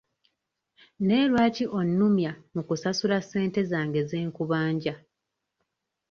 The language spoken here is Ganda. Naye lwaki onnumya mu kunsasula ssente zange ze nkubanja?